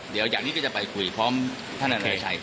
เดี๋ยวจากนี้ก็จะไปคุยพร้อมท่านอนาชัย